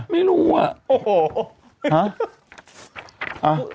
ไม่รู้วะ